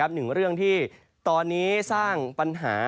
หนึ่งเรื่องที่ตอนนี้สร้างปัญหา